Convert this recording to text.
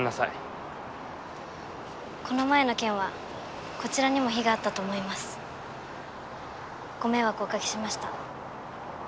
この前の件はこちらにも非があったと思いますご迷惑をおかけしました